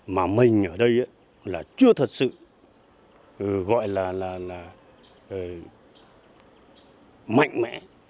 mà mình ở đây là chưa thật sự gọi là mạnh mẽ